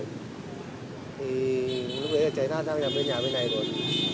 thì lúc đấy là cháy ra cháy ra bên nhà bên này rồi